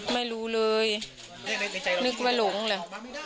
ไม่รู้เลยนึกว่าหลงเลย